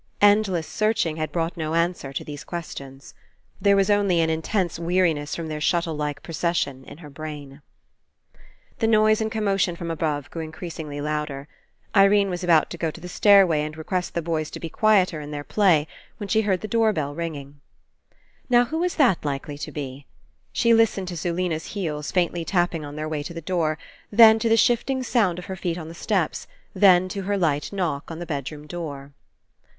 Endless searching had brought no answer to these questions. There was only an Intense weariness from their shuttle like procession In her brain. The noise and commotion from above grew Increasingly louder. Irene was about to go to the stairway and request the boys to be quieter In their play when she heard the door bell ringing. 113 PASSING Now, who was that likely to be? She listened to Zulena's heels, faintly tapping on their way to the door, then to the shifting sound of her feet on the steps, then to her light knock on the bedroom door.